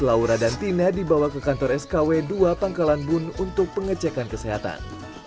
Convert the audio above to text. laura dan tina dibawa ke kantor skw dua pangkalan bun untuk pengecekan kesehatan